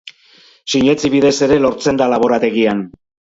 Sintesi bidez ere lortzen da laborategian.